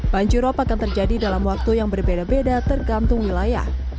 banjirop akan terjadi dalam waktu yang berbeda beda tergantung wilayah